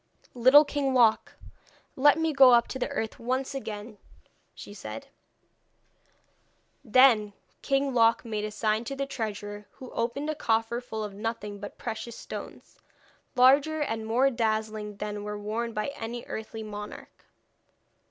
'Little King Loc, let me go up to the earth once again,' she said. Then King Loc made a sign to the treasurer, who opened a coffer full of nothing but precious stones, larger and more dazzling than were worn by any earthly monarch.